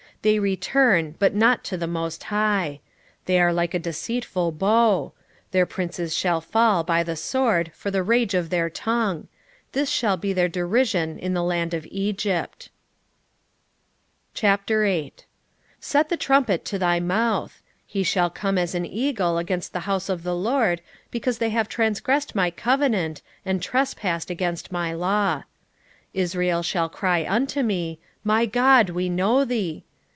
7:16 They return, but not to the most High: they are like a deceitful bow: their princes shall fall by the sword for the rage of their tongue: this shall be their derision in the land of Egypt. 8:1 Set the trumpet to thy mouth. He shall come as an eagle against the house of the LORD, because they have transgressed my covenant, and trespassed against my law. 8:2 Israel shall cry unto me, My God, we know thee.